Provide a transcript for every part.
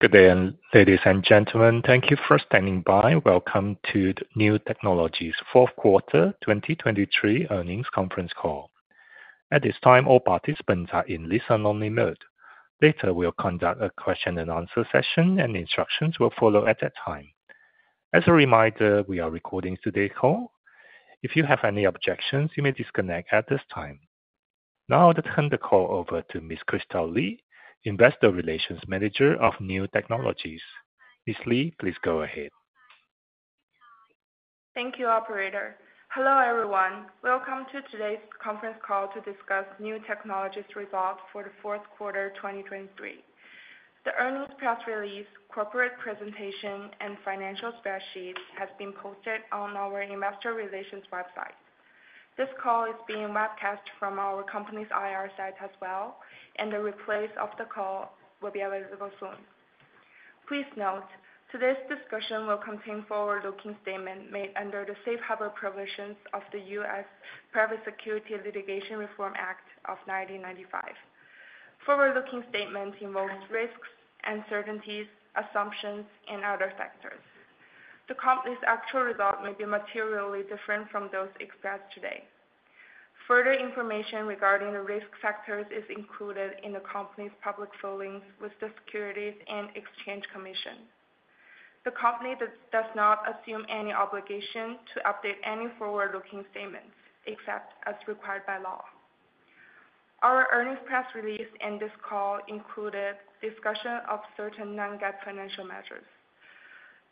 Good day, ladies and gentlemen. Thank you for standing by. Welcome to the Niu Technologies fourth quarter 2023 earnings conference call. At this time, all participants are in listen-only mode. Later we'll conduct a question-and-answer session, and instructions will follow at that time. As a reminder, we are recording today's call. If you have any objections, you may disconnect at this time. Now I'll turn the call over to Ms. Kristal Li, Investor Relations Manager of Niu Technologies. Ms. Li, please go ahead. Thank you, operator. Hello, everyone. Welcome to today's conference call to discuss Niu Technologies' results for the fourth quarter 2023. The earnings press release, corporate presentation, and financial spreadsheets have been posted on our investor relations website. This call is being webcast from our company's IR site as well, and a replay of the call will be available soon. Please note, today's discussion will contain forward-looking statements made under the Safe Harbor provisions of the U.S. Private Securities Litigation Reform Act of 1995. Forward-looking statements involve risks, uncertainties, assumptions, and other factors. The company's actual result may be materially different from those expressed today. Further information regarding the risk factors is included in the company's public filings with the Securities and Exchange Commission. The company does not assume any obligation to update any forward-looking statements except as required by law. Our earnings press release in this call included discussion of certain non-GAAP financial measures.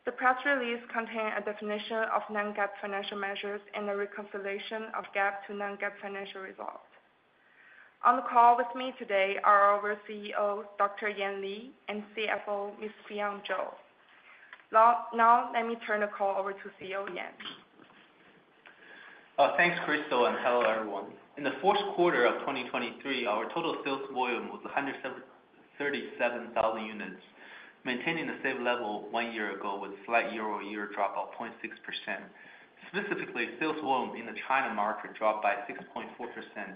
The press release contained a definition of non-GAAP financial measures and a reconciliation of GAAP to non-GAAP financial results. On the call with me today are our CEO, Dr. Yan Li, and CFO, Ms. Fion Zhou. Now let me turn the call over to CEO Yan. Thanks, Kristal, and hello, everyone. In the fourth quarter of 2023, our total sales volume was 137,000 units, maintaining a safe level one year ago with a slight year-over-year drop of 0.6%. Specifically, sales volume in the China market dropped by 6.4% to 110,000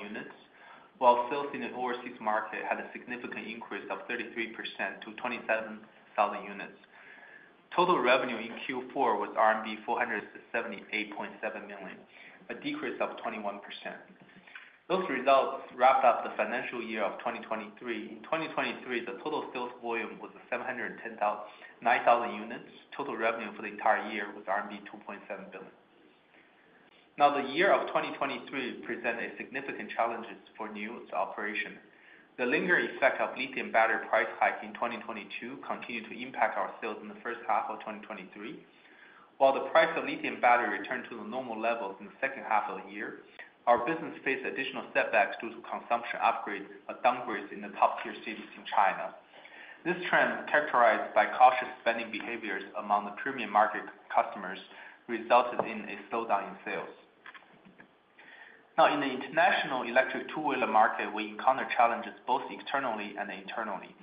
units, while sales in the overseas market had a significant increase of 33% to 27,000 units. Total revenue in Q4 was RMB 478.7 million, a decrease of 21%. Those results wrapped up the financial year of 2023. In 2023, the total sales volume was 719,000 units. Total revenue for the entire year was RMB 2.7 billion. Now, the year of 2023 presented significant challenges for Niu's operation. The lingering effect of lithium battery price hikes in 2022 continued to impact our sales in the first half of 2023. While the price of lithium battery returned to normal levels in the second half of the year, our business faced additional setbacks due to consumption upgrades and downgrades in the top-tier cities in China. This trend, characterized by cautious spending behaviors among the premium market customers, resulted in a slowdown in sales. Now, in the international electric two-wheeler market, we encounter challenges both externally and internally.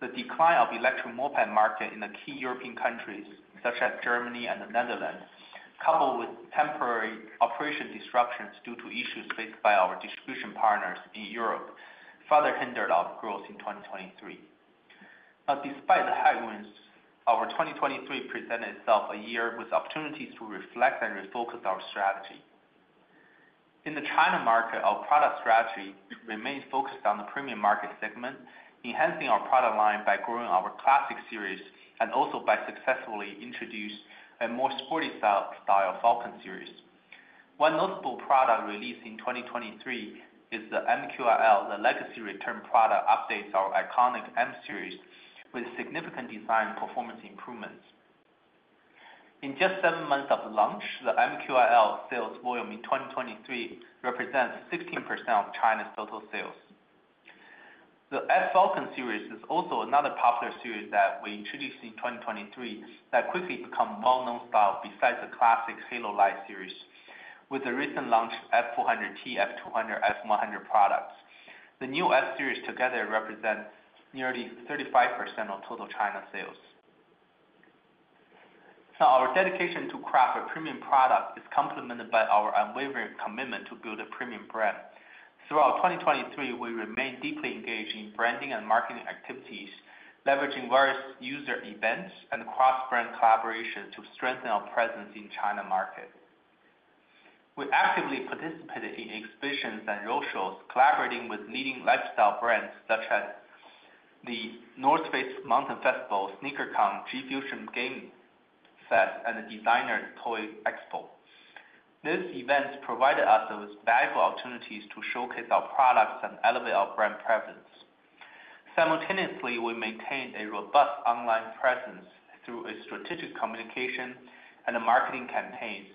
The decline of the electric moped market in key European countries such as Germany and the Netherlands, coupled with temporary operation disruptions due to issues faced by our distribution partners in Europe, further hindered our growth in 2023. Now, despite the headwinds, our 2023 presented itself as a year with opportunities to reflect and refocus our strategy. In the China market, our product strategy remained focused on the premium market segment, enhancing our product line by growing our Classic series and also by successfully introducing a more sporty-style Falcon series. One notable product released in 2023 is the MQiL. The legacy product updates our iconic M series with significant design and performance improvements. In just seven months of launch, the MQiL sales volume in 2023 represents 16% of China's total sales. The Falcon series is also another popular series that we introduced in 2023 that quickly became well-known styles besides the Classic Halo Light series with the recent launch of F400T, F200, F100 products. The new F series together represents nearly 35% of total China sales. Now, our dedication to crafting premium products is complemented by our unwavering commitment to build a premium brand. Throughout 2023, we remained deeply engaged in branding and marketing activities, leveraging various user events and cross-brand collaborations to strengthen our presence in the China market. We actively participated in exhibitions and roadshows, collaborating with leading lifestyle brands such as The North Face Mountain Festival, SneakerCon, G Fusion Game Fest, and the Designer Toy Expo. These events provided us with valuable opportunities to showcase our products and elevate our brand presence. Simultaneously, we maintained a robust online presence through strategic communication and marketing campaigns,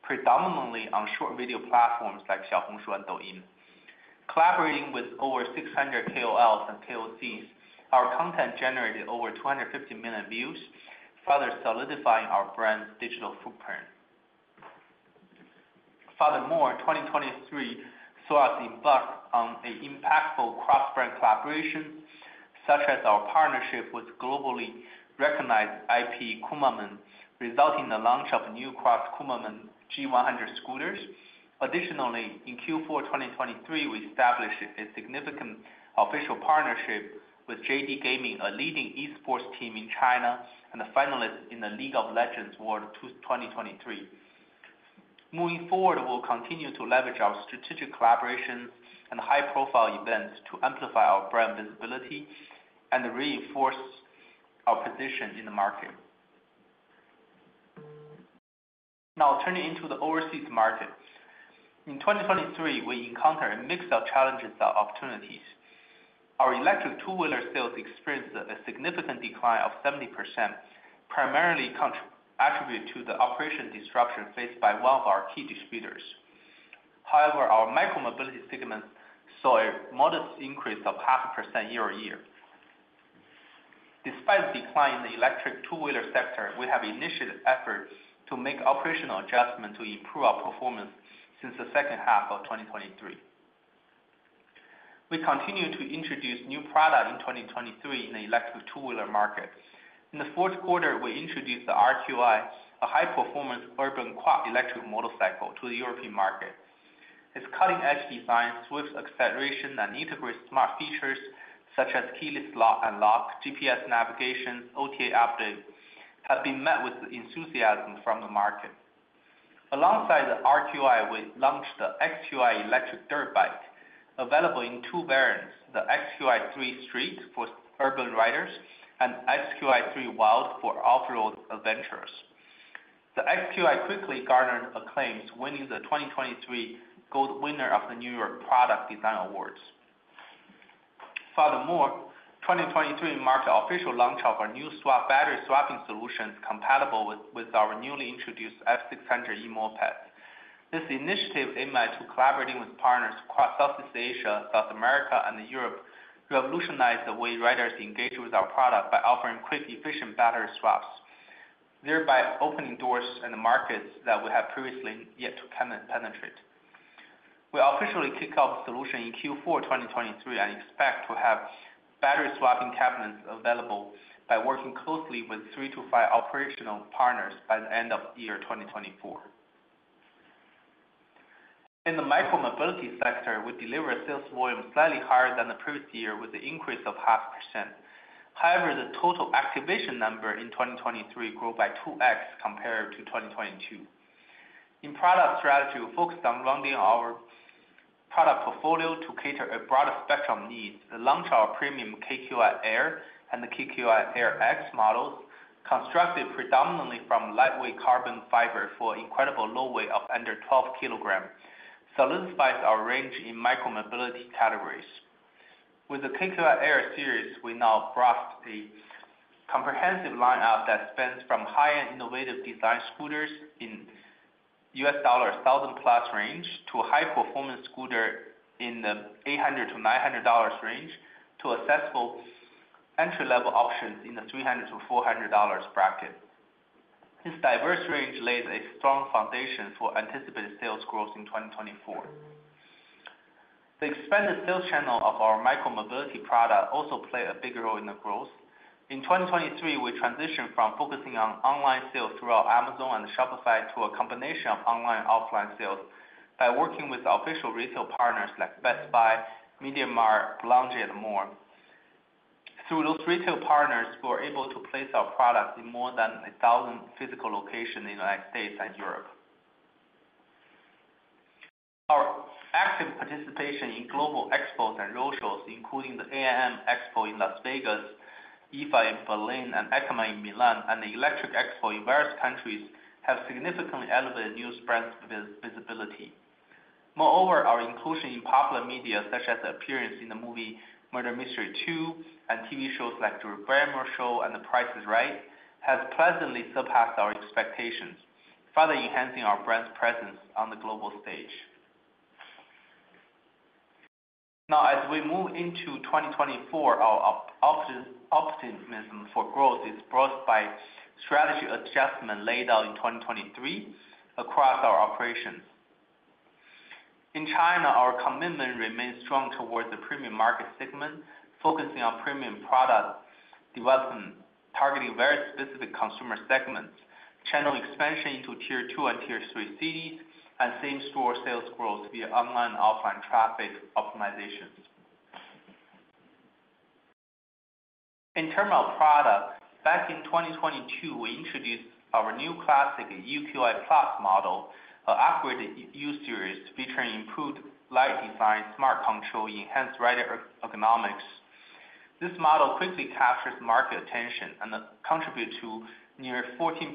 predominantly on short video platforms like Xiaohongshu and Douyin. Collaborating with over 600 KOLs and KOCs, our content generated over 250 million views, further solidifying our brand's digital footprint. Furthermore, 2023 saw us embark on impactful cross-brand collaborations such as our partnership with globally recognized IP Kumamon, resulting in the launch of new cross-Kumamon G100 scooters. Additionally, in Q4 2023, we established a significant official partnership with JD Gaming, a leading e-sports team in China, and the finalist in the League of Legends World 2023. Moving forward, we'll continue to leverage our strategic collaborations and high-profile events to amplify our brand visibility and reinforce our position in the market. Now, turning to the overseas market. In 2023, we encountered a mix of challenges and opportunities. Our electric two-wheeler sales experienced a significant decline of 70%, primarily attributed to the operational disruption faced by one of our key distributors. However, our micro-mobility segment saw a modest increase of 0.5% year-over-year. Despite the decline in the electric two-wheeler sector, we have initiated efforts to make operational adjustments to improve our performance since the second half of 2023. We continue to introduce new products in 2023 in the electric two-wheeler market. In the fourth quarter, we introduced the RQi, a high-performance urban quad electric motorcycle, to the European market. Its cutting-edge design, swift acceleration, and integrated smart features such as keyless lock and unlock, GPS navigation, and OTA update have been met with enthusiasm from the market. Alongside the RQi, we launched the XQi electric dirt bike, available in two variants: the XQi3 Street for urban riders and the XQi3 Wild for off-road adventurers. The XQi quickly garnered acclaim, winning the 2023 Gold Winner of the New York Product Design Awards. Furthermore, 2023 marked the official launch of our new battery-swapping solutions compatible with our newly introduced F600e moped. This initiative aimed at collaborating with partners across Southeast Asia, South America, and Europe to revolutionize the way riders engage with our product by offering quick, efficient battery swaps, thereby opening doors in the markets that we had previously yet to penetrate. We officially kicked off the solution in Q4 2023 and expect to have battery-swapping cabinets available by working closely with three to five operational partners by the end of year 2024. In the micro-mobility sector, we delivered sales volume slightly higher than the previous year with an increase of 0.5%. However, the total activation number in 2023 grew by 2x compared to 2022. In product strategy, focused on rounding our product portfolio to cater to a broader spectrum of needs, we launched our premium KQi Air and the KQi Air X models, constructed predominantly from lightweight carbon fiber for an incredible low weight of under 12 kilograms, solidifying our range in micro-mobility categories. With the KQi Air series, we now brought a comprehensive lineup that spans from high-end innovative design scooters in the $1,000-plus range to high-performance scooters in the $800-$900 range to accessible entry-level options in the $300-$400 bracket. This diverse range lays a strong foundation for anticipated sales growth in 2024. The expanded sales channel of our micro-mobility product also played a big role in the growth. In 2023, we transitioned from focusing on online sales throughout Amazon and Shopify to a combination of online and offline sales by working with official retail partners like Best Buy, MediaMarkt, Boulanger, and more. Through those retail partners, we were able to place our products in more than 1,000 physical locations in the United States and Europe. Our active participation in global expos and roadshows, including the AIM Expo in Las Vegas, IFA in Berlin, and EICMA in Milan, and the electric expo in various countries, has significantly elevated Niu's brand visibility. Moreover, our inclusion in popular media, such as the appearance in the movie Murder Mystery 2 and TV shows like Drew Barrymore's show and The Price Is Right, has pleasantly surpassed our expectations, further enhancing our brand's presence on the global stage. Now, as we move into 2024, our optimism for growth is brought by strategy adjustments laid out in 2023 across our operations. In China, our commitment remains strong towards the premium market segment, focusing on premium product development, targeting very specific consumer segments, channel expansion into Tier 2 and Tier 3 cities, and same-store sales growth via online and offline traffic optimizations. In terms of product, back in 2022, we introduced our new Classic UQi+ model, an upgraded U-series featuring improved light design, smart control, and enhanced rider ergonomics. This model quickly captured market attention and contributed to nearly 14%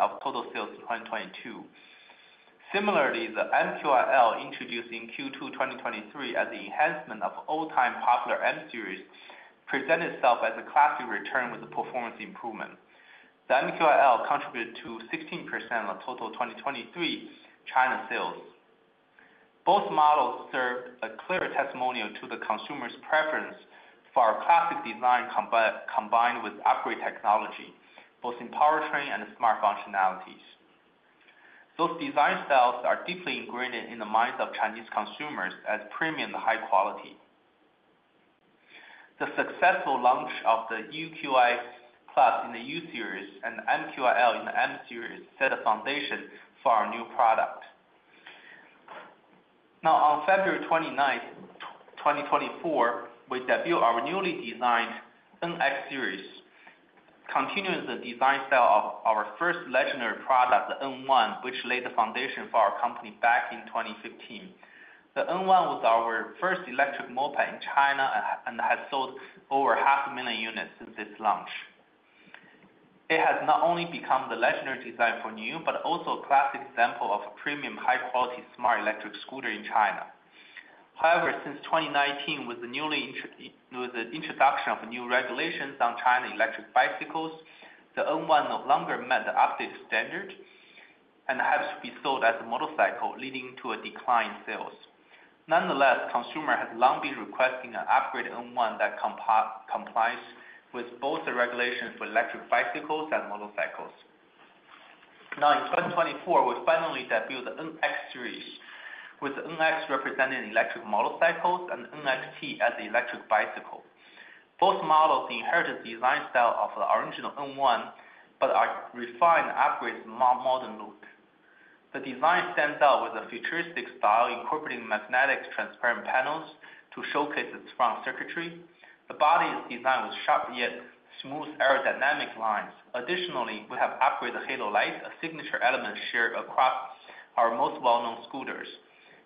of total sales in 2022. Similarly, the MQiL introduced in Q2 2023 as an enhancement of the old-time popular M-series presented itself as a Classic return with performance improvement. The MQiL contributed to 16% of total 2023 China sales. Both models served a clear testimonial to the consumer's preference for our Classic design combined with upgraded technology, both in powertrain and smart functionalities. Those design styles are deeply ingrained in the minds of Chinese consumers as premium and high-quality. The successful launch of the UQi+ in the U-series and the MQiL in the M-series set the foundation for our new product. Now, on February 29, 2024, we debuted our newly designed NX series, continuing the design style of our first legendary product, the N1, which laid the foundation for our company back in 2015. The N1 was our first electric moped in China and has sold over 0.5 million units since its launch. It has not only become the legendary design for Niu but also a classic example of a premium, high-quality, smart electric scooter in China. However, since 2019, with the introduction of new regulations on China electric bicycles, the N1 no longer met the updated standard and had to be sold as a motorcycle, leading to a decline in sales. Nonetheless, consumers have long been requesting an upgraded N1 that complies with both the regulations for electric bicycles and motorcycles. Now, in 2024, we finally debuted the NX series, with the NX representing electric motorcycles and the NXT as the electric bicycle. Both models inherited the design style of the original N1 but are refined and upgraded to a more modern look. The design stands out with a futuristic style incorporating magnetic transparent panels to showcase its strong circuitry. The body is designed with sharp yet smooth aerodynamic lines. Additionally, we have upgraded the Halo Light, a signature element shared across our most well-known scooters.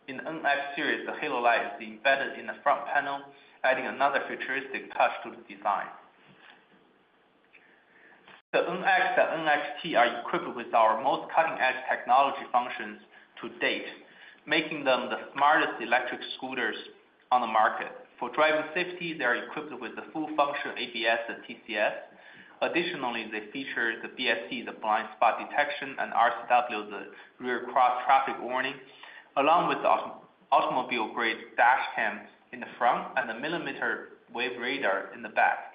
In the NX series, the Halo Light is embedded in the front panel, adding another futuristic touch to the design. The NX and NXT are equipped with our most cutting-edge technology functions to date, making them the smartest electric scooters on the market. For driving safety, they are equipped with the full-function ABS and TCS. Additionally, they feature the BSD, the blind spot detection, and RCW, the rear cross-traffic warning, along with the automobile-grade dashcam in the front and the millimeter wave radar in the back.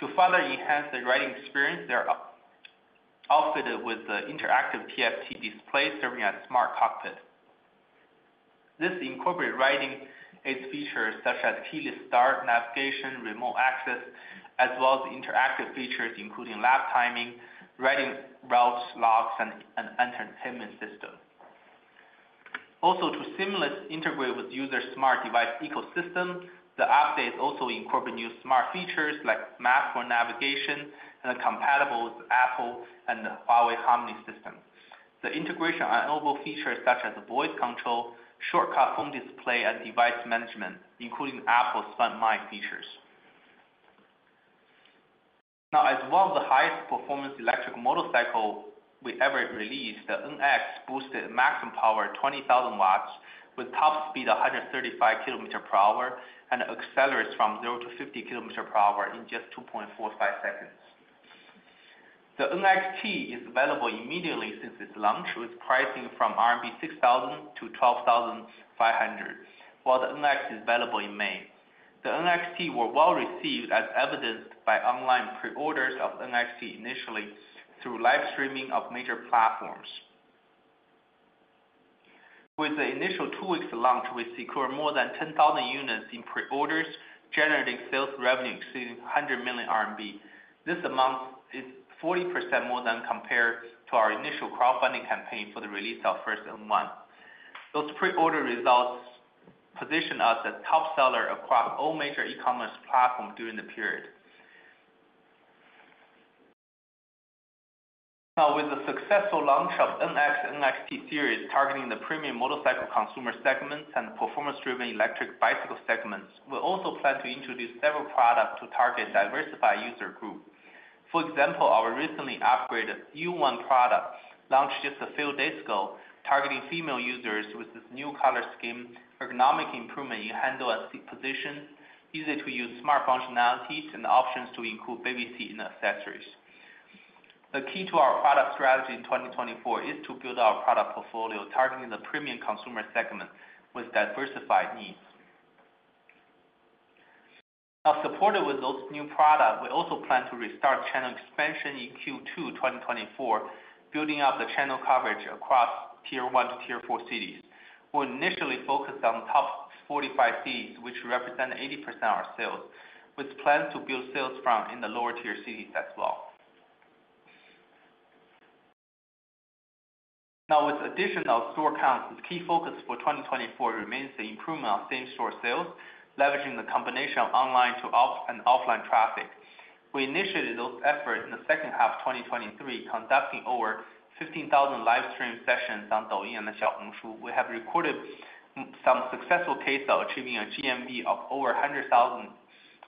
To further enhance the riding experience, they are outfitted with the interactive TFT display serving as a smart cockpit. This incorporates riding-age features such as keyless start, navigation, remote access, as well as interactive features including lap timing, riding routes, logs, and an entertainment system. Also, to seamlessly integrate with the user's smart device ecosystem, the update also incorporates new smart features like maps for navigation and are compatible with Apple and Huawei HarmonyOS. The integration enables features such as voice control, shortcut phone display, and device management, including Apple's Find My features. Now, as one of the highest-performance electric motorcycles we ever released, the NX boosted maximum power to 20,000 watts with a top speed of 135 km/h and accelerated from 0-50 km/h in just 2.45 seconds. The NXT is available immediately since its launch, with pricing from 6,000-12,500 RMB, while the NX is available in May. The NXT was well received, as evidenced by online pre-orders of the NXT initially through live streaming of major platforms. With the initial two weeks of launch, we secured more than 10,000 units in pre-orders, generating sales revenue exceeding 100 million RMB. This amount is 40% more than compared to our initial crowdfunding campaign for the release of the first N1. Those pre-order results positioned us as top sellers across all major e-commerce platforms during the period. Now, with the successful launch of the NX and NXT series targeting the premium motorcycle consumer segments and the performance-driven electric bicycle segments, we also plan to introduce several products to target a diversified user group. For example, our recently upgraded U1 product launched just a few days ago, targeting female users with this new color scheme, ergonomic improvements in handle and seat position, easy-to-use smart functionalities, and options to include babysitting accessories. The key to our product strategy in 2024 is to build our product portfolio targeting the premium consumer segment with diversified needs. Now, supported with those new products, we also plan to restart channel expansion in Q2 2024, building up the channel coverage across Tier 1 to Tier 4 cities. We initially focused on the top 45 cities, which represent 80% of our sales, with plans to build sales in the lower-tier cities as well. Now, with additional store counts, the key focus for 2024 remains the improvement of same-store sales, leveraging the combination of online and offline traffic. We initiated those efforts in the second half of 2023, conducting over 15,000 live stream sessions on Douyin and Xiaohongshu. We have recorded some successful cases of achieving a GMV of over 100,000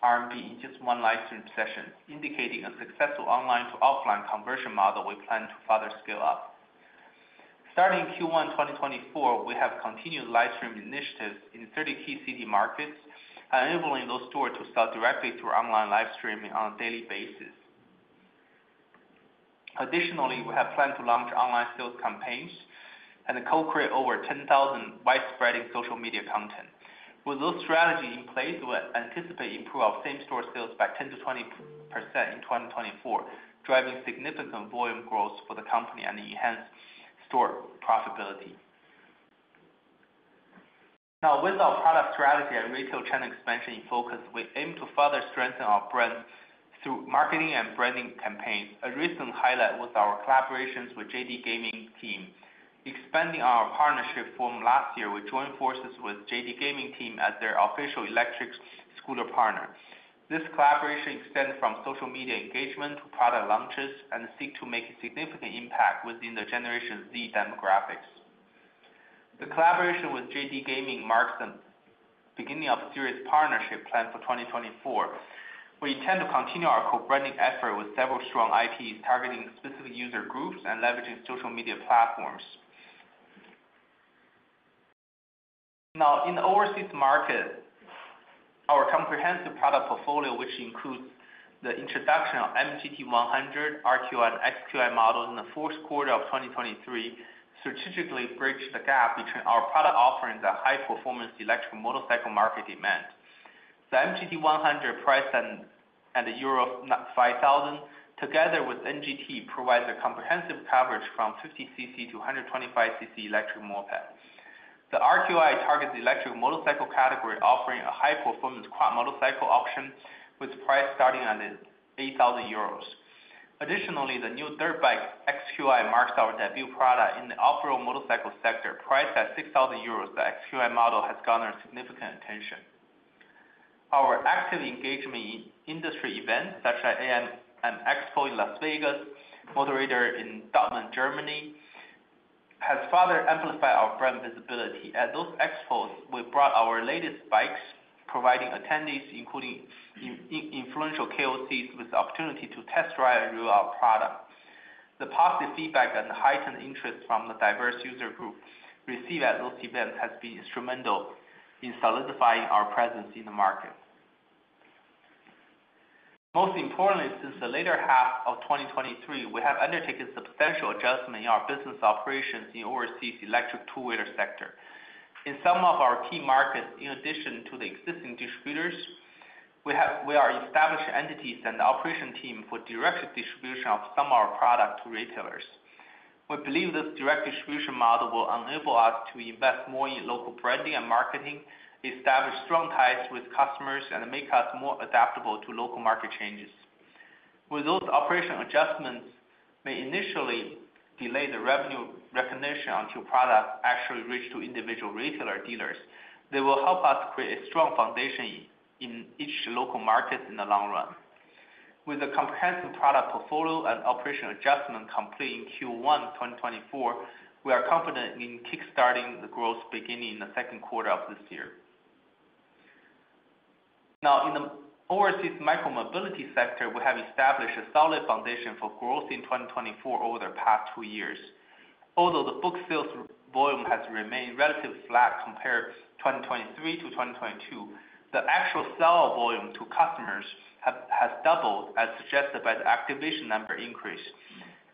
RMB in just one live stream session, indicating a successful online-to-offline conversion model we plan to further scale up. Starting in Q1 2024, we have continued live stream initiatives in 30 key city markets, enabling those stores to sell directly through online live streaming on a daily basis. Additionally, we have planned to launch online sales campaigns and co-create over 10,000 widespread social media content. With those strategies in place, we anticipate an improvement of same-store sales by 10%-20% in 2024, driving significant volume growth for the company and enhancing store profitability. Now, with our product strategy and retail channel expansion in focus, we aim to further strengthen our brand through marketing and branding campaigns. A recent highlight was our collaboration with the JD Gaming team, expanding our partnership from last year with joint forces with the JD Gaming team as their official electric scooter partner. This collaboration extends from social media engagement to product launches and seeks to make a significant impact within the Generation Z demographics. The collaboration with JD Gaming marks the beginning of a serious partnership plan for 2024. We intend to continue our co-branding efforts with several strong IPs targeting specific user groups and leveraging social media platforms. Now, in overseas markets, our comprehensive product portfolio, which includes the introduction of the MQi GT 100, RQi, and XQi models in the fourth quarter of 2023, strategically bridged the gap between our product offerings and high-performance electric motorcycle market demand. The MQi GT 100, priced at €5,000, together with the NGT, provides a comprehensive coverage from 50 cc to 125 cc electric mopeds. The RQi targets the electric motorcycle category, offering a high-performance quad motorcycle option with a price starting at €8,000. Additionally, the new XQi3 bike marks our debut product in the off-road motorcycle sector, priced at €6,000. The XQi3 model has garnered significant attention. Our active engagement in industry events, such as the AIM Expo in Las Vegas and Motorrad in Dortmund, Germany, has further amplified our brand visibility. At those expos, we brought our latest bikes, providing attendees, including influential KOCs, with the opportunity to test drive and rule out products. The positive feedback and heightened interest from the diverse user group received at those events has been instrumental in solidifying our presence in the market. Most importantly, since the later half of 2023, we have undertaken substantial adjustments in our business operations in the overseas electric two-wheeler sector. In some of our key markets, in addition to the existing distributors, we are establishing entities and the operation team for direct distribution of some of our products to retailers. We believe this direct distribution model will enable us to invest more in local branding and marketing, establish strong ties with customers, and make us more adaptable to local market changes. While those operational adjustments may initially delay the revenue recognition until products actually reach individual retailer dealers, they will help us create a strong foundation in each local market in the long run. With a comprehensive product portfolio and operational adjustments completed in Q1 2024, we are confident in kickstarting the growth beginning in the second quarter of this year. Now, in the overseas micromobility sector, we have established a solid foundation for growth in 2024 over the past two years. Although the book sales volume has remained relatively flat compared to 2023 to 2022, the actual sale volume to customers has doubled, as suggested by the activation number increase,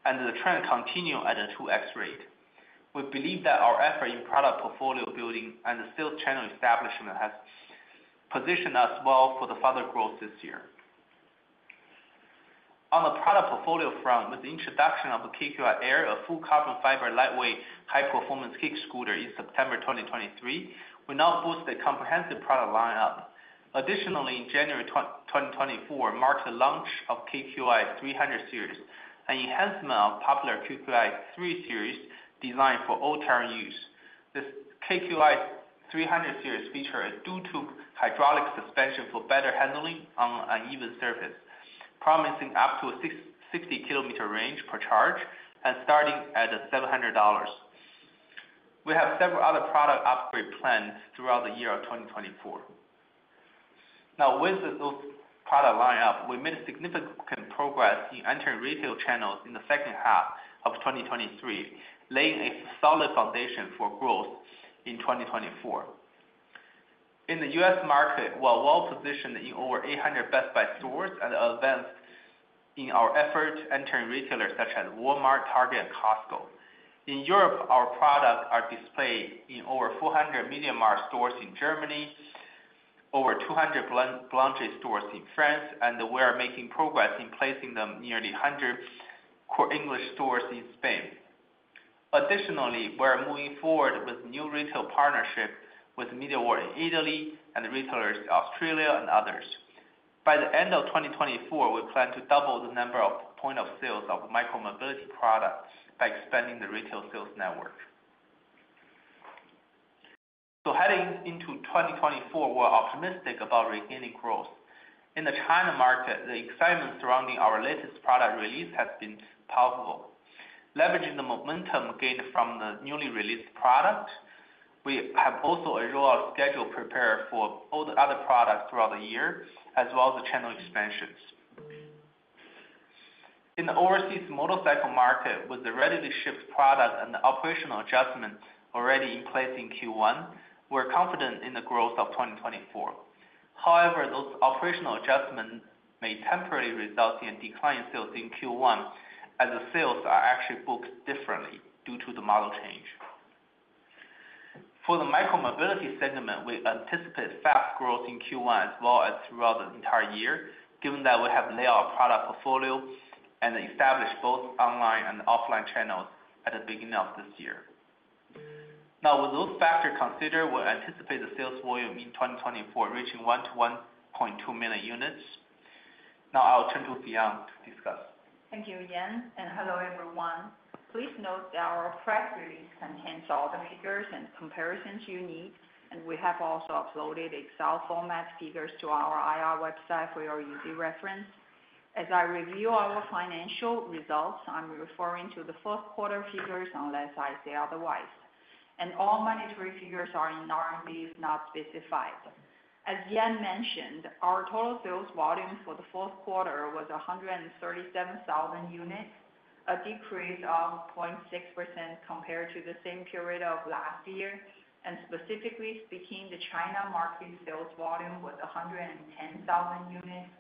and the trend continues at a 2x rate. We believe that our efforts in product portfolio building and the sales channel establishment have positioned us well for further growth this year. On the product portfolio front, with the introduction of the KQi Air, a full-carbon fiber, lightweight, high-performance kick scooter in September 2023, we now boost the comprehensive product lineup. Additionally, in January 2024 marks the launch of the KQi300 series and enhancement of the popular KQi3 series designed for all-terrain use. The KQi300 series features a dual-tube hydraulic suspension for better handling on uneven surfaces, promising up to a 60 km range per charge and starting at $700. We have several other product upgrades planned throughout the year of 2024. Now, with those product lineups, we made significant progress in entering retail channels in the second half of 2023, laying a solid foundation for growth in 2024. In the US market, we are well positioned in over 800 Best Buy stores and advanced in our efforts entering retailers such as Walmart, Target, and Costco. In Europe, our products are displayed in over 400 MediaMarkt stores in Germany, over 200 Boulanger stores in France, and we are making progress in placing them in nearly 100 El Corte Inglés stores in Spain. Additionally, we are moving forward with new retail partnerships with MediaWorld in Italy and retailers in Australia and others. By the end of 2024, we plan to double the number of point-of-sales of micromobility products by expanding the retail sales network. Heading into 2024, we are optimistic about regaining growth. In the China market, the excitement surrounding our latest product release has been palpable. Leveraging the momentum gained from the newly released products, we have also a rollout schedule prepared for all the other products throughout the year, as well as the channel expansions. In the overseas motorcycle market, with the readily shipped products and the operational adjustments already in place in Q1, we are confident in the growth of 2024. However, those operational adjustments may temporarily result in a decline in sales in Q1, as sales are actually booked differently due to the model change. For the micromobility segment, we anticipate fast growth in Q1 as well as throughout the entire year, given that we have laid out our product portfolio and established both online and offline channels at the beginning of this year. Now, with those factors considered, we anticipate the sales volume in 2024 reaching 1-1.2 million units. Now, I will turn to Fion to discuss. Thank you, Yan. Hello, everyone. Please note that our press release contains all the figures and comparisons you need, and we have also uploaded Excel-format figures to our IR website for your easy reference. As I review our financial results, I'm referring to the fourth quarter figures unless I say otherwise, and all monetary figures are in RMB if not specified. As Yan mentioned, our total sales volume for the fourth quarter was 137,000 units, a decrease of 0.6% compared to the same period of last year. Specifically speaking, the China market sales volume was 110,000 units,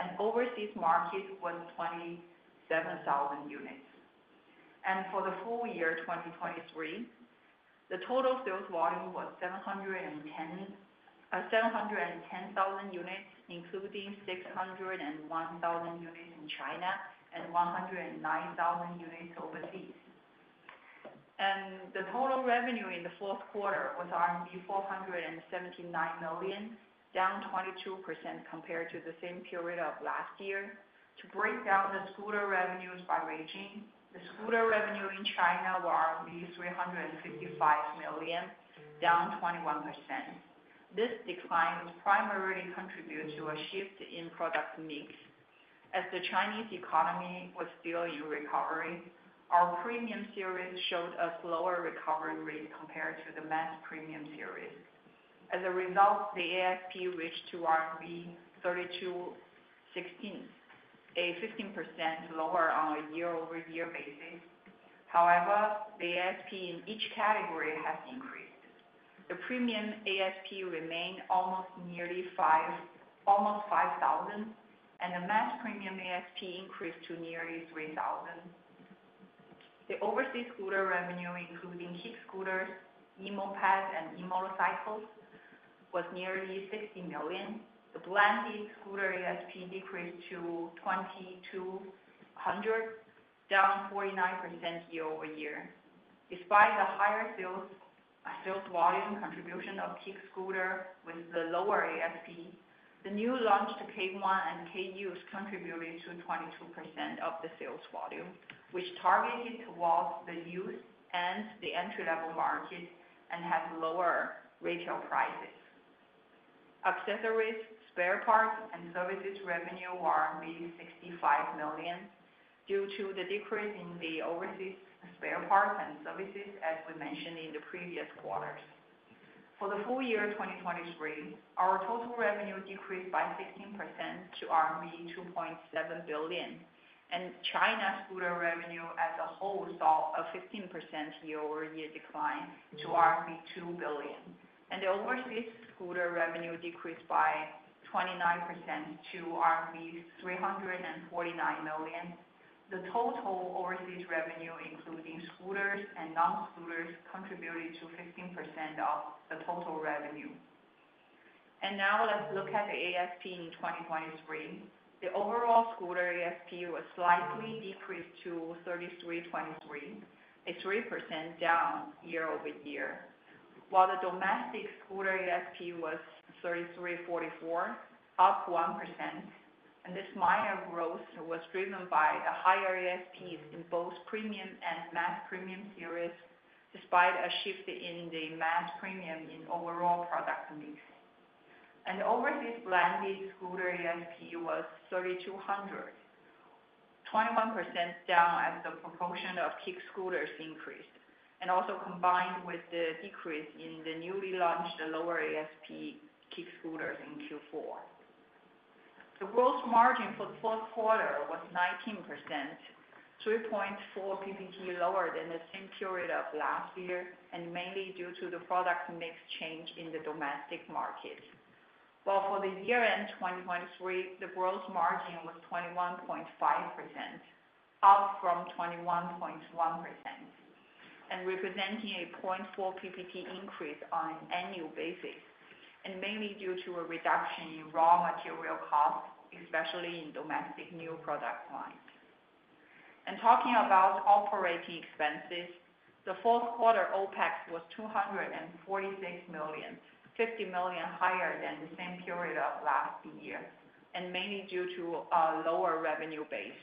and overseas markets were 27,000 units. For the full year 2023, the total sales volume was 710,000 units, including 601,000 units in China and 109,000 units overseas. The total revenue in the fourth quarter was RMB 479 million, down 22% compared to the same period of last year. To break down the scooter revenues by region, the scooter revenue in China was 355 million, down 21%. This decline primarily contributed to a shift in product mix. As the Chinese economy was still in recovery, our premium series showed a slower recovery rate compared to the mass premium series. As a result, the ASP reached 32.16, a 15% lower on a year-over-year basis. However, the ASP in each category has increased. The premium ASP remained almost 5,000, and the mass premium ASP increased to nearly 3,000. The overseas scooter revenue, including kick scooters, e-mopeds, and e-motorcycles, was nearly 60 million. The blended scooter ASP decreased to 2,200, down 49% year-over-year. Despite the higher sales volume contribution of kick scooters with the lower ASP, the new launched K1 and KUs contributed to 22% of the sales volume, which targeted towards the youth and the entry-level markets and have lower retail prices. Accessories, spare parts, and services revenue was 65 million due to the decrease in the overseas spare parts and services, as we mentioned in the previous quarters. For the full year 2023, our total revenue decreased by 16% to RMB 2.7 billion, and China scooter revenue as a whole saw a 15% year-over-year decline to 2 billion. The overseas scooter revenue decreased by 29% to 349 million. The total overseas revenue, including scooters and non-scooters, contributed to 15% of the total revenue. Now let's look at the ASP in 2023. The overall scooter ASP was slightly decreased to 33.23, a 3% down year-over-year, while the domestic scooter ASP was 33.44, up 1%. This minor growth was driven by the higher ASPs in both premium and mass premium series, despite a shift in the mass premium in overall product mix. The overseas blended scooter ASP was $3,200, 21% down as the proportion of kick scooters increased, and also combined with the decrease in the newly launched lower ASP kick scooters in Q4. The gross margin for the fourth quarter was 19%, 3.4 PPT lower than the same period of last year, and mainly due to the product mix change in the domestic market. While for the year-end 2023, the gross margin was 21.5%, up from 21.1%, and representing a 0.4 percentage point increase on an annual basis, and mainly due to a reduction in raw material costs, especially in domestic new product lines. Talking about operating expenses, the fourth quarter OpEx was 246 million, 50 million higher than the same period of last year, and mainly due to a lower revenue base.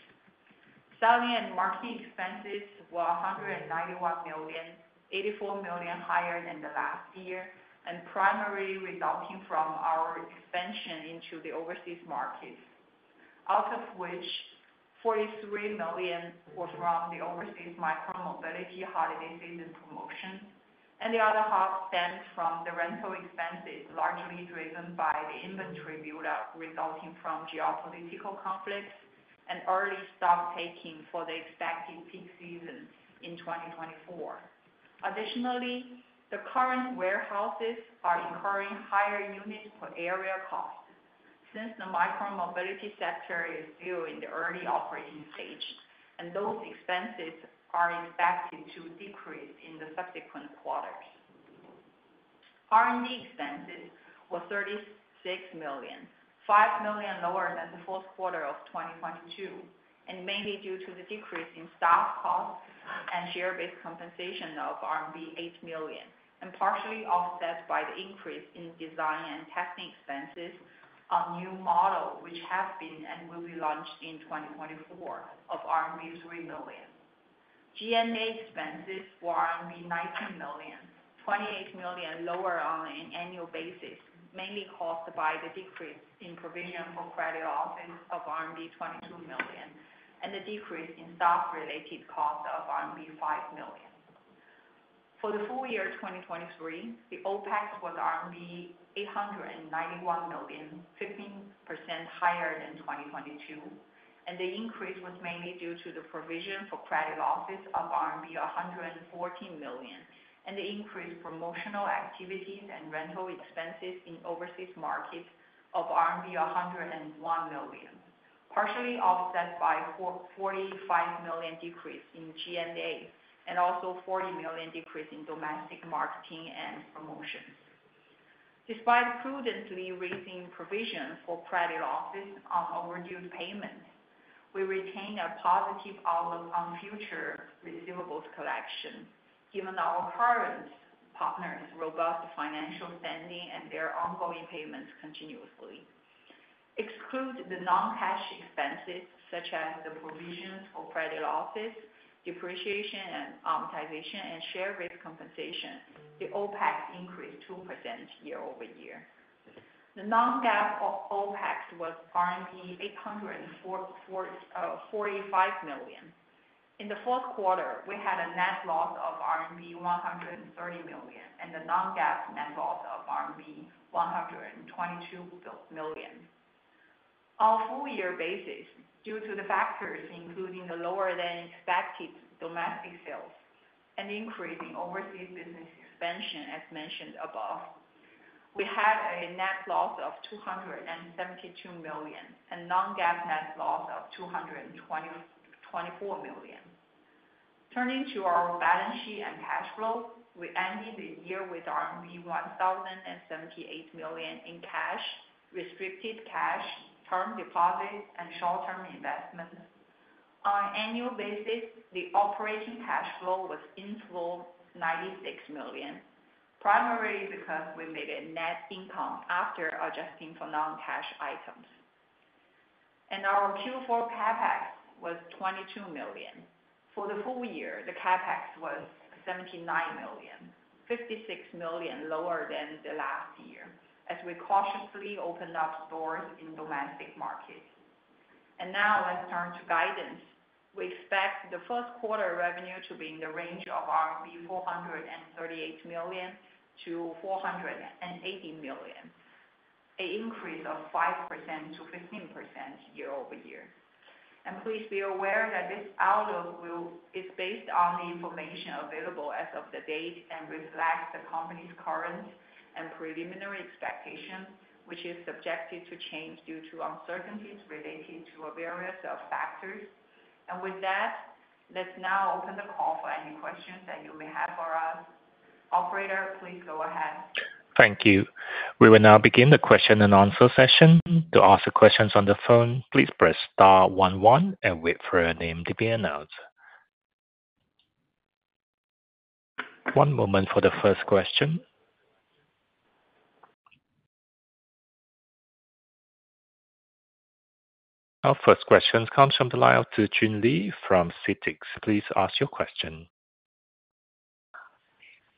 Selling and marketing expenses were 191 million, 84 million higher than the last year, and primarily resulting from our expansion into the overseas markets, out of which 43 million were from the overseas micromobility holiday season promotion, and the other half stemmed from the rental expenses, largely driven by the inventory buildup resulting from geopolitical conflicts and early stock-taking for the expected peak season in 2024. Additionally, the current warehouses are incurring higher unit-per-area costs since the micromobility sector is still in the early operating stage, and those expenses are expected to decrease in the subsequent quarters. R&D expenses were 36 million, 5 million lower than the fourth quarter of 2022, and mainly due to the decrease in staff costs and share-based compensation of RMB 8 million, and partially offset by the increase in design and testing expenses on new models, which have been and will be launched in 2024, of RMB 3 million. G&A expenses were RMB 19 million, 28 million lower on an annual basis, mainly caused by the decrease in provision for credit losses of RMB 22 million and the decrease in staff-related costs of RMB 5 million. For the full year 2023, the OpEx was RMB 891 million, 15% higher than 2022, and the increase was mainly due to the provision for credit losses of RMB 114 million and the increased promotional activities and rental expenses in overseas markets of RMB 101 million, partially offset by a 45 million decrease in G&A and also a 40 million decrease in domestic marketing and promotions. Despite prudently raising provision for credit losses on overdue payments, we retain a positive outlook on future receivables collection, given our current partners' robust financial standing and their ongoing payments continuously. Exclude the non-cash expenses, such as the provisions for credit losses, depreciation and amortization, and share-based compensation, the OpEx increased 2% year-over-year. The non-GAAP OpEx was RMB 845 million. In the fourth quarter, we had a net loss of RMB 130 million and a non-GAAP net loss of RMB 122 million. On a full-year basis, due to the factors including the lower-than-expected domestic sales and the increase in overseas business expansion, as mentioned above, we had a net loss of 272 million and a non-GAAP net loss of 224 million. Turning to our balance sheet and cash flow, we ended the year with RMB 1,078 million in cash, restricted cash, term deposits, and short-term investments. On an annual basis, the operating cash flow was inflow 96 million, primarily because we made a net income after adjusting for non-cash items. Our Q4 CapEx was 22 million. For the full year, the CapEx was 79 million, 56 million lower than last year, as we cautiously opened up stores in domestic markets. Now let's turn to guidance. We expect the first quarter revenue to be in the range of 438 million-480 million RMB, an increase of 5%-15% year-over-year. Please be aware that this outlook is based on the information available as of the date and reflects the company's current and preliminary expectations, which is subjected to change due to uncertainties related to a variety of factors. With that, let's now open the call for any questions that you may have for us. Operator, please go ahead. Thank you. We will now begin the question-and-answer session. To ask questions on the phone, please press star one one and wait for your name to be announced. One moment for the first question. Our first question comes from the line of Zijun Li from CITIC Securities. Please ask your question.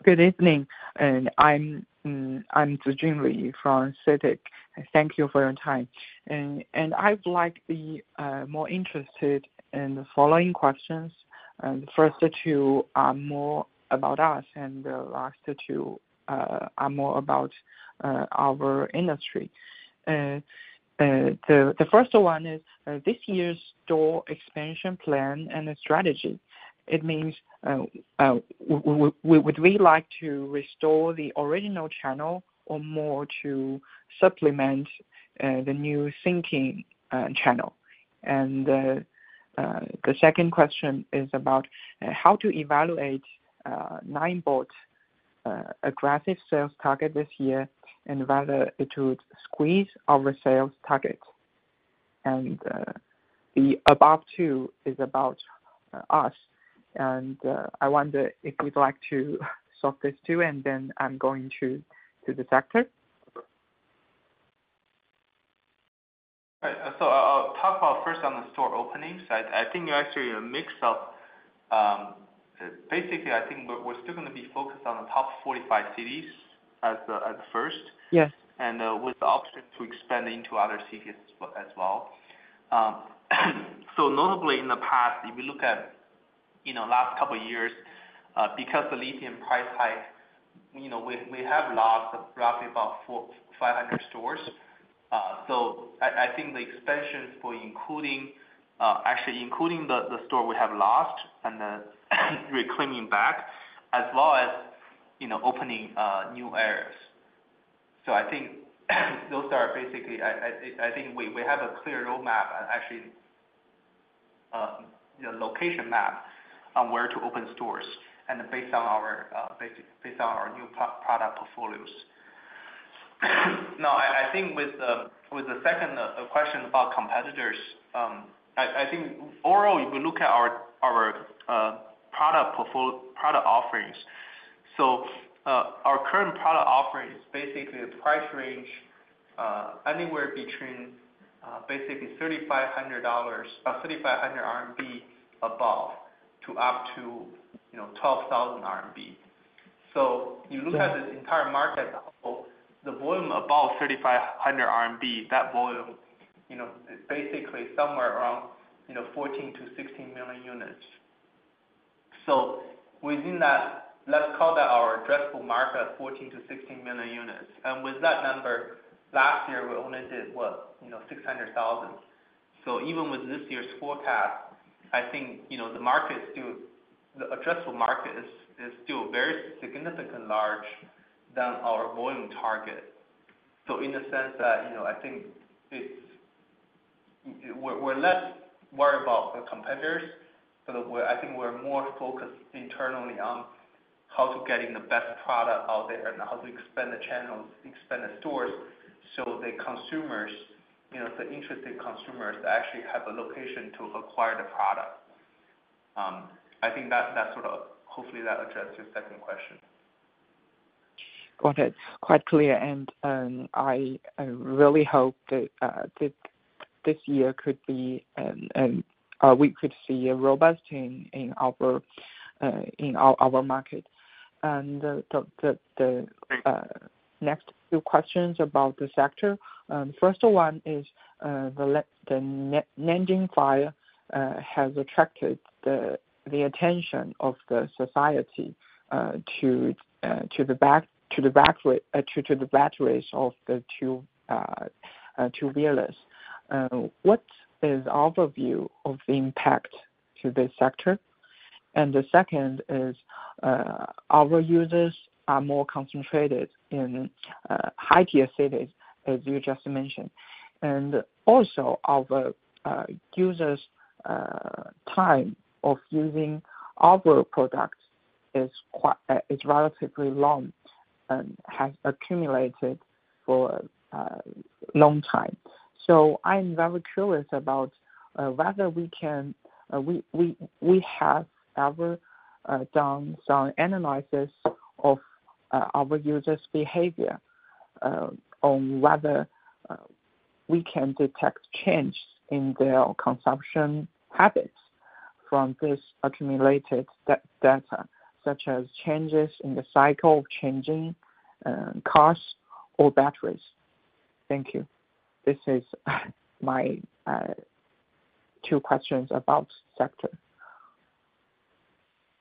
Good evening. I'm Zijun Li from CITIC Securities. Thank you for your time. I would like to be more interested in the following questions. The first two are more about us, and the last two are more about our industry. The first one is this year's store expansion plan and the strategy. It means would we like to restore the original channel or more to supplement the new sinking channel? And the second question is about how to evaluate Ninebot's aggressive sales target this year and whether it would squeeze our sales target. And the above two is about us. And I wonder if you'd like to solve this too, and then I'm going to the sector. All right. So I'll talk about first on the store openings. I think you're actually a mix of basically, I think we're still going to be focused on the top 45 cities as first, and with the option to expand into other cities as well. So notably, in the past, if we look at the last couple of years, because of the lithium price hike, we have lost roughly about 500 stores. So I think the expansions for actually including the store we have lost and reclaiming back, as well as opening new areas. So I think those are basically I think we have a clear roadmap, actually a location map, on where to open stores and based on our new product portfolios. Now, I think with the second question about competitors, I think overall, if we look at our product offerings, so our current product offering is basically a price range anywhere between basically CNY 3,500 above to up to 12,000 RMB. So if you look at this entire market as a whole, the volume above 3,500 RMB, that volume is basically somewhere around 14-16 million units. So within that, let's call that our addressable market, 14-16 million units. And with that number, last year, we only did, what, 600,000. So even with this year's forecast, I think the market is still the addressable market is still very significantly larger than our volume target. So in the sense that I think we're less worried about the competitors, but I think we're more focused internally on how to get the best product out there and how to expand the channels, expand the stores so the consumers, the interested consumers, actually have a location to acquire the product. I think that sort of hopefully, that addresses your second question. Got it. Quite clear. And I really hope that this year could be and we could see a robust change in our market. And the next few questions about the sector. First one is the Nanjing fire has attracted the attention of the society to the batteries of the two vehicles. What is our view of the impact to this sector? And the second is our users are more concentrated in high-tier cities, as you just mentioned. And also, our users' time of using our products is relatively long and has accumulated for a long time. So I'm very curious about whether we can have ever done some analysis of our users' behavior on whether we can detect change in their consumption habits from this accumulated data, such as changes in the cycle of changing cars or batteries. Thank you. These are my two questions about the sector.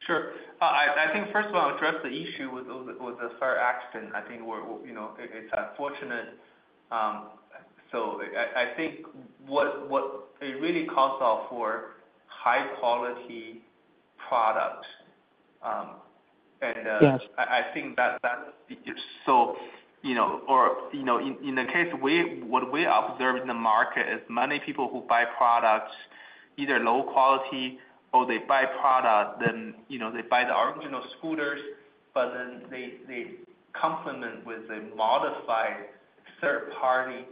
Sure. I think, first of all, address the issue with the fire accident. I think it's unfortunate. So I think what it really calls out for high-quality products, and I think that that is so or in the case. What we observe in the market is many people who buy products, either low quality or they buy products, then they buy the original scooters, but then they complement with modified third-party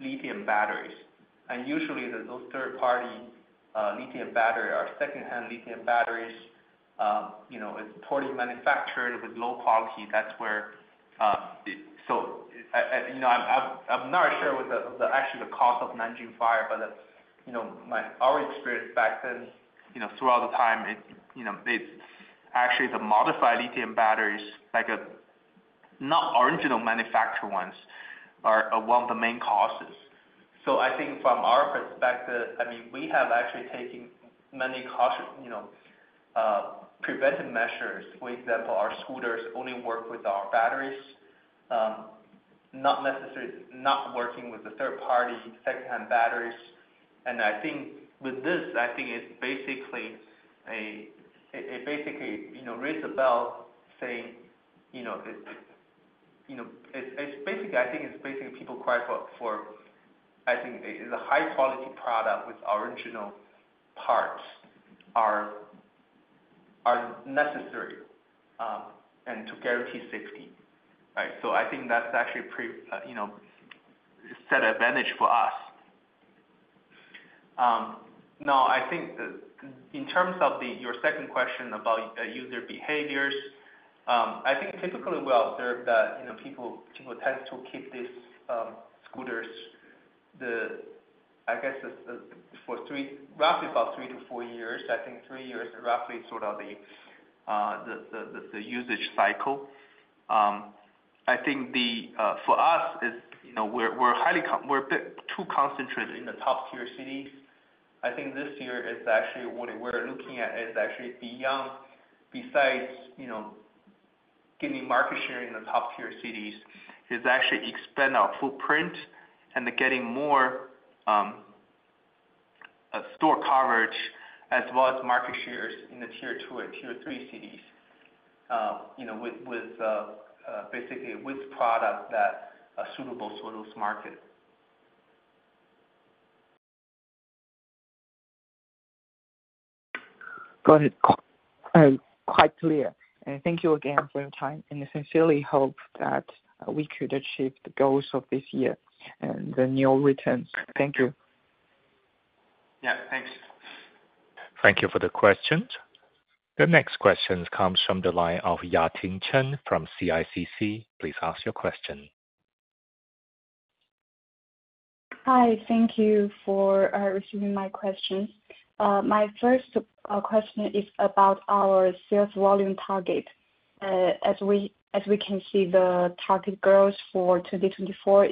lithium batteries. And usually, those third-party lithium batteries are second-hand lithium batteries. It's poorly manufactured with low quality. That's where so I'm not sure with actually the cause of Nanjing fire, but our experience back then, throughout the time, it's actually the modified lithium batteries, not original manufactured ones, are one of the main causes. So I think from our perspective, I mean, we have actually taken many preventive measures. For example, our scooters only work with our batteries, not working with the third-party second-hand batteries. I think with this, I think it's basically a it basically rings a bell saying it's basically, I think it's basically people cry for, I think, the high-quality product with original parts are necessary and to guarantee safety, right? So I think that's actually a set advantage for us. Now, I think in terms of your second question about user behaviors, I think typically, we observe that people tend to keep these scooters, I guess, for roughly about three to four years. I think three years is roughly sort of the usage cycle. I think for us, we're a bit too concentrated in the top-tier cities. I think this year, actually, what we're looking at is actually besides getting market share in the top-tier cities, is actually expand our footprint and getting more store coverage as well as market shares in the tier two and tier three cities, basically, with products that are suitable for those markets. Got it. Quite clear. Thank you again for your time. I sincerely hope that we could achieve the goals of this year and the new returns. Thank you. Yeah. Thanks. Thank you for the questions. The next question comes from the line of Yating Chen from CICC. Please ask your question. Hi. Thank you for receiving my questions. My first question is about our sales volume target. As we can see, the target growth for 2024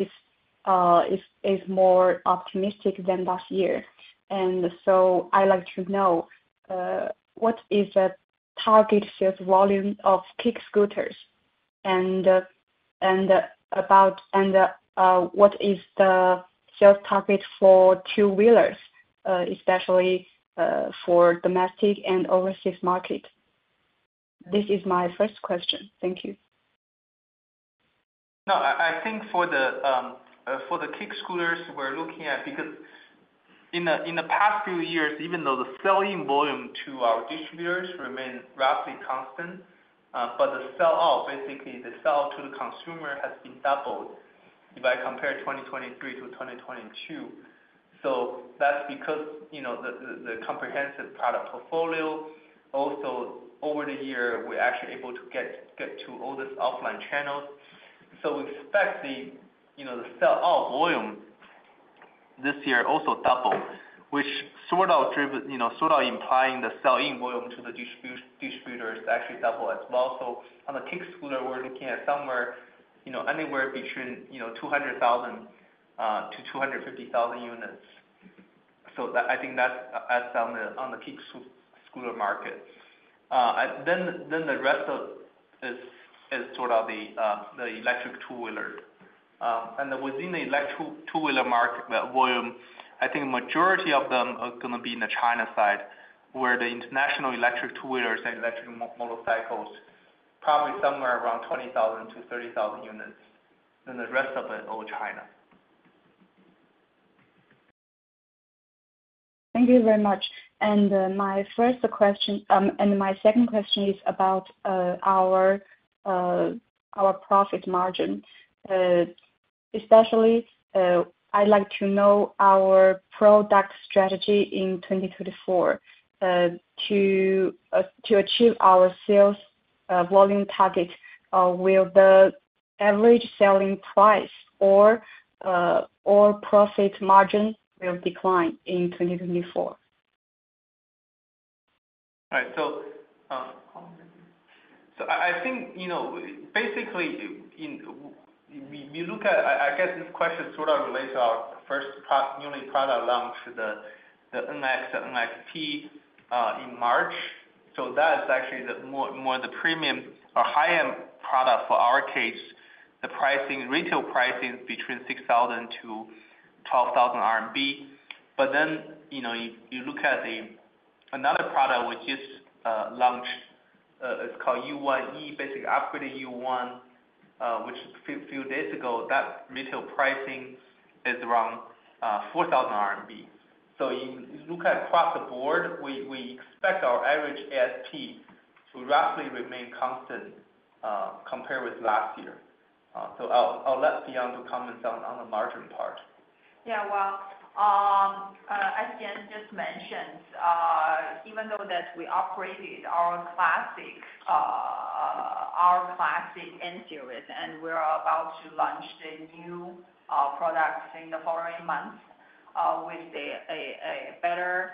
is more optimistic than last year. And so I'd like to know, what is the target sales volume of kick scooters? And what is the sales target for two-wheelers, especially for domestic and overseas markets? This is my first question. Thank you. No. I think for the kick scooters, we're looking at because in the past few years, even though the selling volume to our distributors remained roughly constant, but the sell-out, basically, the sell-out to the consumer has been doubled if I compare 2023-2022. So that's because the comprehensive product portfolio, also, over the year, we're actually able to get to all these offline channels. So we expect the sell-out volume this year also double, which sort of implying the sell-in volume to the distributors actually doubled as well. So on the kick scooter, we're looking at somewhere anywhere between 200,000-250,000 units. So I think that's on the kick scooter market. Then the rest is sort of the electric two-wheeler. Within the electric two-wheeler market volume, I think the majority of them are going to be in the China side, where the international electric two-wheelers and electric motorcycles are probably somewhere around 20,000-30,000 units. The rest of it, all China. Thank you very much. My first question and my second question is about our profit margin. Especially, I'd like to know our product strategy in 2024. To achieve our sales volume target, will the average selling price or profit margin decline in 2024? All right. So I think, basically, we look at I guess this question sort of relates to our first newly product launched, the NX and NXT, in March. So that's actually more the premium or high-end product. For our case, the retail pricing is between 6,000-12,000 RMB. But then you look at another product we just launched. It's called U1E, basically upgraded U1, which a few days ago, that retail pricing is around 4,000 RMB. So if you look across the board, we expect our average ASP to roughly remain constant compared with last year. So I'll let Fion comment on the margin part. Yeah. Well, as Yan just mentioned, even though that we upgraded our classic N-series and we're about to launch the new products in the following months with a better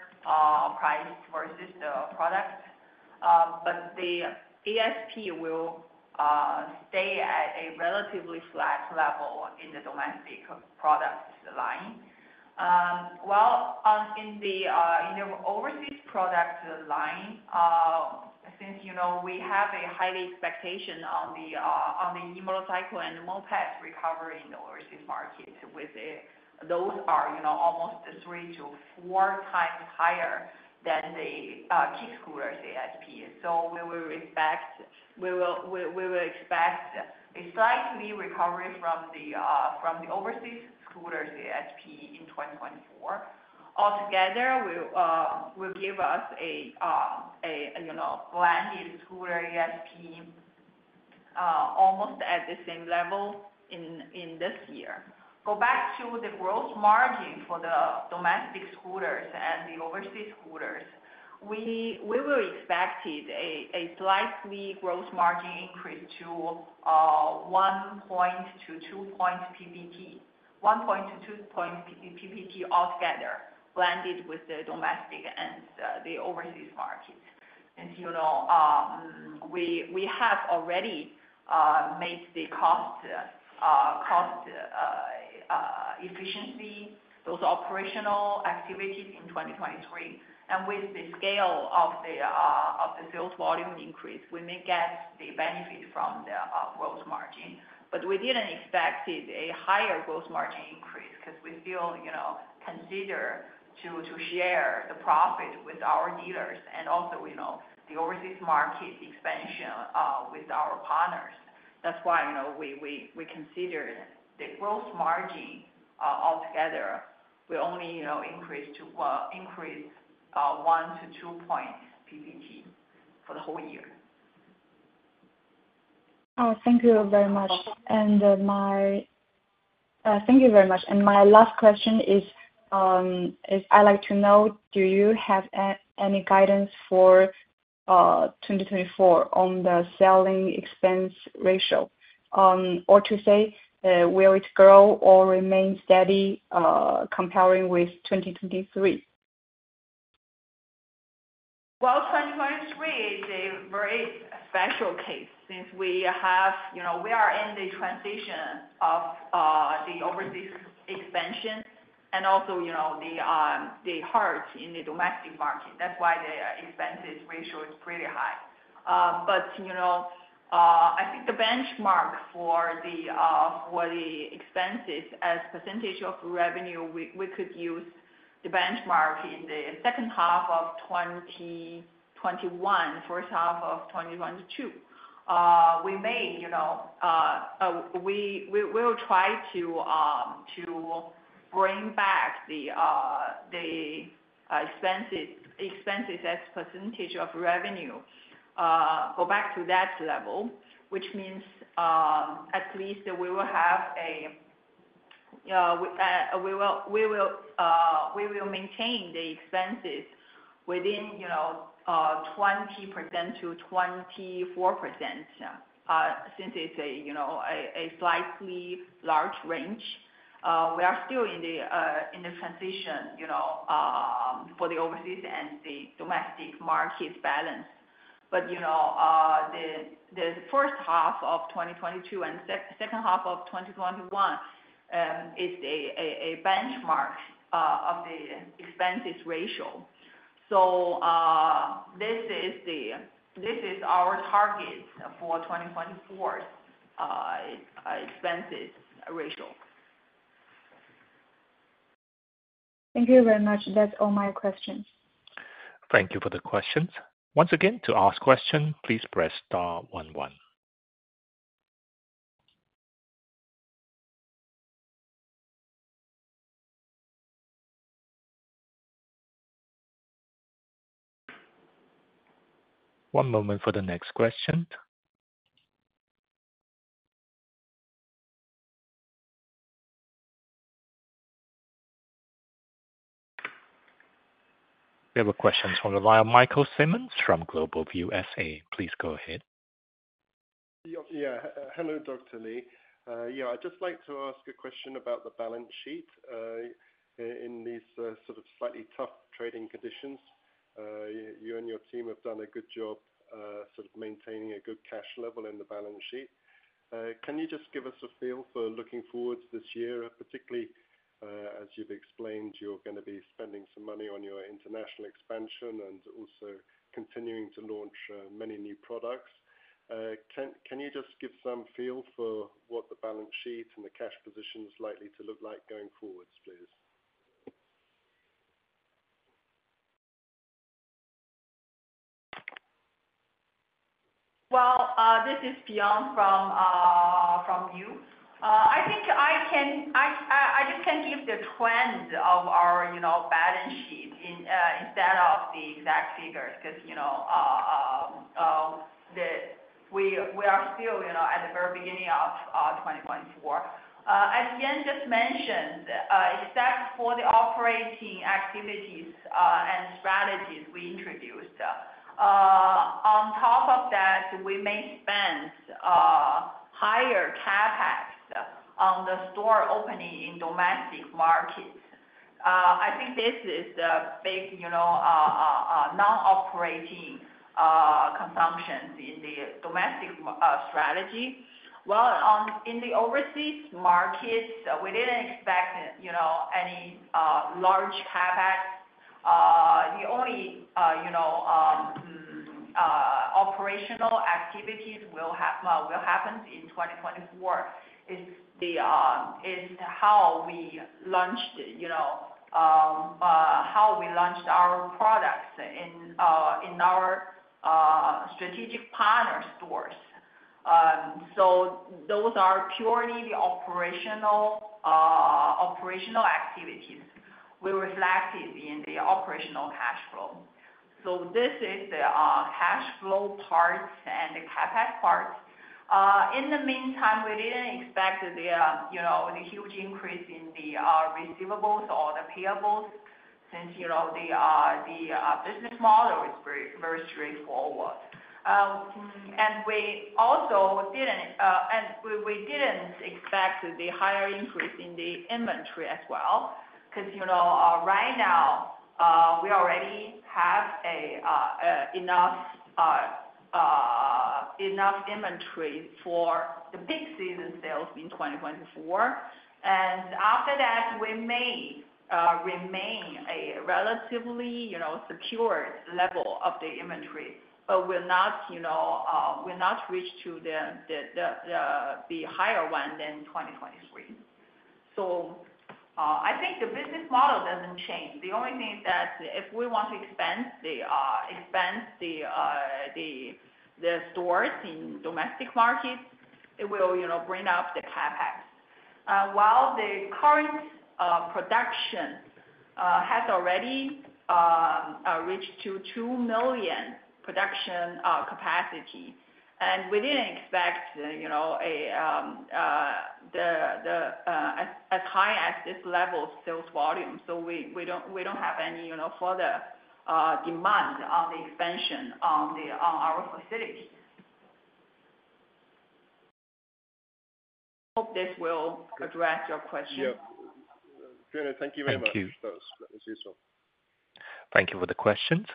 price versus the product, but the ASP will stay at a relatively flat level in the domestic products line. Well, in the overseas products line, since we have a high expectation on the e-motorcycle and mopeds recovery in the overseas market, those are almost 3-4 times higher than the kick scooters ASP. So we will expect a slight recovery from the overseas scooters ASP in 2024. Altogether, it will give us a brand-new scooter ASP almost at the same level in this year. Go back to the gross margin for the domestic scooters and the overseas scooters, we will expect a slightly gross margin increase to 1.0-2.0 PPT, 1.0-2.0 PPT altogether, blended with the domestic and the overseas markets. We have already made the cost efficiency, those operational activities in 2023. With the scale of the sales volume increase, we may get the benefit from the gross margin. But we didn't expect a higher gross margin increase because we still consider to share the profit with our dealers and also the overseas market expansion with our partners. That's why we consider the gross margin altogether will only increase to 1.0-2.0 PPT for the whole year. Thank you very much. Thank you very much. My last question is, I'd like to know, do you have any guidance for 2024 on the selling expense ratio? Or to say, will it grow or remain steady comparing with 2023? Well, 2023 is a very special case since we are in the transition of the overseas expansion and also the hurt in the domestic market. That's why the expenses ratio is pretty high. But I think the benchmark for the expenses as percentage of revenue, we could use the benchmark in the second half of 2021, first half of 2022. We will try to bring back the expenses as percentage of revenue, go back to that level, which means at least we will maintain the expenses within 20%-24% since it's a slightly large range. We are still in the transition for the overseas and the domestic markets balance. But the first half of 2022 and second half of 2021 is a benchmark of the expenses ratio. So this is our target for 2024's expenses ratio. Thank you very much. That's all my questions. Thank you for the questions. Once again, to ask questions, please press star 11. One moment for the next question. We have a question from Lyle Michael Simmons from GlobalView SA. Please go ahead. Yeah. Hello, Dr. Li. Yeah. I'd just like to ask a question about the balance sheet in these sort of slightly tough trading conditions. You and your team have done a good job sort of maintaining a good cash level in the balance sheet. Can you just give us a feel for looking forwards this year, particularly as you've explained, you're going to be spending some money on your international expansion and also continuing to launch many new products. Can you just give some feel for what the balance sheet and the cash positions are likely to look like going forwards, please? Well, this is Fion from Niu. I think I just can't give the trends of our balance sheet instead of the exact figures because we are still at the very beginning of 2024. As Yan just mentioned, except for the operating activities and strategies we introduced, on top of that, we may spend higher CapEx on the store opening in domestic markets. I think this is a big non-operating consumption in the domestic strategy. While in the overseas markets, we didn't expect any large CapEx. The only operational activities will happen in 2024 is how we launched our products in our strategic partner stores. So those are purely the operational activities. We reflect it in the operational cash flow. So this is the cash flow parts and the CapEx parts. In the meantime, we didn't expect the huge increase in the receivables or the payables since the business model is very straightforward. And we also didn't expect the higher increase in the inventory as well because right now, we already have enough inventory for the peak season sales in 2024. And after that, we may remain a relatively secured level of the inventory, but we'll not reach to the higher one than 2023. So I think the business model doesn't change. The only thing is that if we want to expand the stores in domestic markets, it will bring up the CapEx. While the current production has already reached 2 million production capacity, and we didn't expect as high as this level of sales volume. So we don't have any further demand on the expansion on our facility. Hope this will address your question. Yeah. Fion, thank you very much. Thank you. That was useful. Thank you for the questions.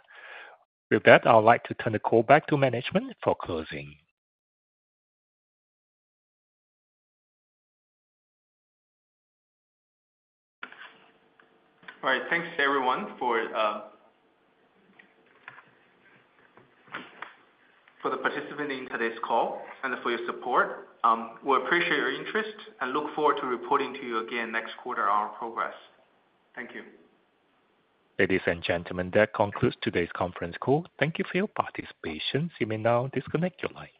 With that, I'd like to turn the call back to management for closing. All right. Thanks, everyone, for participating in today's call and for your support. We appreciate your interest and look forward to reporting to you again next quarter on our progress. Thank you. Ladies and gentlemen, that concludes today's conference call. Thank you for your participation. See me now. Disconnect your line.